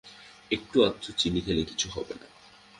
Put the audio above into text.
একটু-আধটু চিনি খেলে কিছু হবে না।